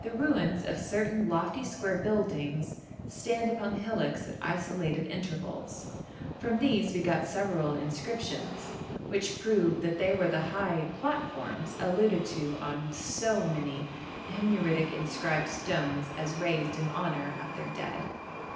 The ruins of certain lofty square buildings stand upon hillocks at isolated intervals; from these we got several inscriptions, which prove that they were the high 'platforms' alluded to on so many Himyaritic inscribed stones as raised in honour of their dead.